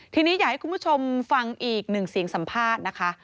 ทีนี้อยากให้คุณผู้ชมฟังอีกหนึ่งเสียงสัมภาษณ์นะคะ